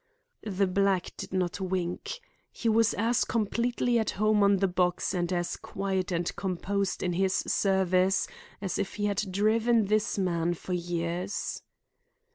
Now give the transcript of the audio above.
The black did not wink. He was as completely at home on the box and as quiet and composed in his service as if he had driven this man for years.